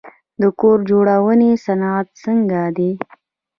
د کور جوړونې صنعت څنګه دی؟